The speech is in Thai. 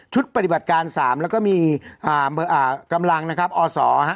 ชุดปฏิบัติการสามแล้วก็มีอ่าเมอร์อ่ากำลังนะครับอศฮะ